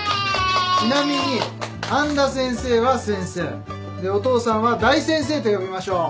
ちなみに半田先生は「先生」でお父さんは「大先生」と呼びましょう。